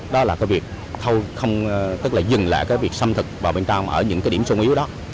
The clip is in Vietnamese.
đó là việc dừng lại việc xâm thực vào bên trong ở những điểm sung yếu đó